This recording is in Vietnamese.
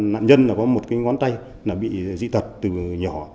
nạn nhân có một ngón tay bị dị tật từ nhỏ